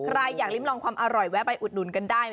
ใครอยากลิ้มลองความอร่อยแวะไปอุดหนุนกันได้